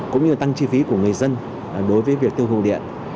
cũng như tăng chi phí của người dân đối với việc tiêu thụ điện